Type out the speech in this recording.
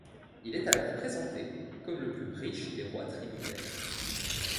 Il est alors présenté comme le plus riche des rois tributaires.